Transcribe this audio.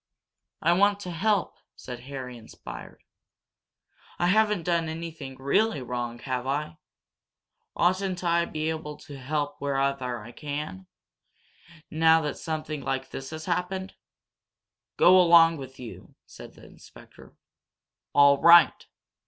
"I want to help!" said Harry, inspired. "I haven't done anything really wrong, have I? Oughtn't I be allowed to do whatever I can, now that something like this has happened?" "Go along with you!" said the inspector. "All right!